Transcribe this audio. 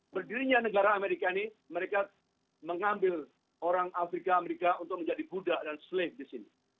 berdirinya negara amerika ini mereka mengambil orang afrika amerika untuk menjadi buddha dan slave di sini